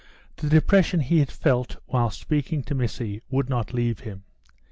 The depression he had felt whilst speaking to Missy would not leave him.